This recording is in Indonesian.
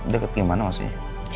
deket gimana maksudnya